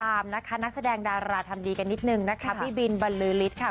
ตามนะคะนักแสดงดาราทำดีกันนิดนึงนะคะพี่บินบรรลือฤทธิ์ค่ะ